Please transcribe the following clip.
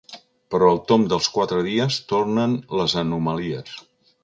Però al tomb dels quatre dies tornen les anomalies.